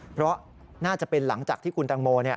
เพราะน่าจะเป็นหลังจากที่คุณตังโม